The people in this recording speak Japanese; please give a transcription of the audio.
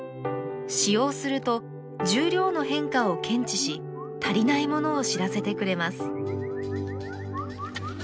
使用すると重量の変化を検知し足りないものを知らせてくれます。